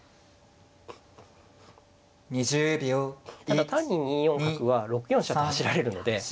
ただ単に２四角は６四飛車と走られるので。